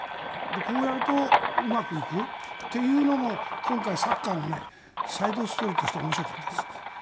こうやるとうまくいくというのも今回、サッカーのサイドストーリーとして面白かったです。